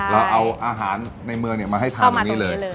เราเอาอาหารในเมืองมาให้ทานตรงนี้เลย